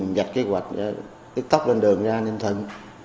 tôiétait viên giặt kế hoạch đã nência ước tốc lên đường ra ninh thuận